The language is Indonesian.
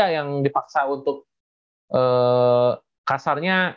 yang dipaksa untuk kasarnya